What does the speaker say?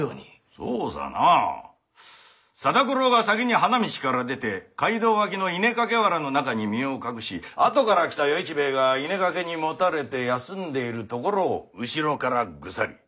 そうさなあ定九郎が先に花道から出て街道脇の稲かけわらの中に身を隠し後から来た与市兵衛が稲かけにもたれて休んでいるところを後ろからグサリ。